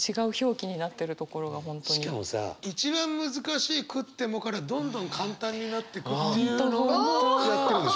しかもさ一番難しい「喰っても」からどんどん簡単になってくっていうのもねらってるでしょ？